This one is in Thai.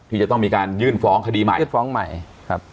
ที่จะต้องมีการยื่นฟ้องคดีใหม่ยื่นฟ้องใหม่ครับ